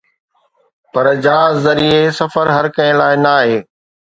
پر جهاز ذريعي سفر هر ڪنهن لاءِ ناهي.